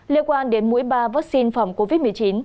liên quan đến mũi ba vaccine phòng covid một mươi chín